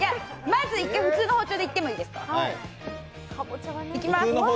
まず１回、普通の包丁でいってもいいですか、いきます。